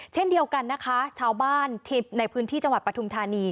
เช่นเดียวกันนะคะชาวบ้านในพื้นที่จังหวัดปฐุมธานี